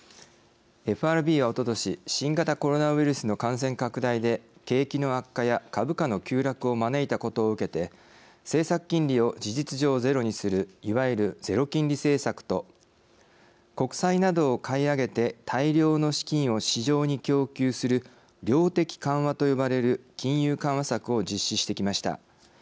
ＦＲＢは、おととし新型コロナウイルスの感染拡大で景気の悪化や株価の急落を招いたことを受けて政策金利を事実上ゼロにするいわゆるゼロ金利政策と国債などを買い上げて大量の資金を市場に供給する量的緩和と呼ばれる金融緩和策を実施してきました。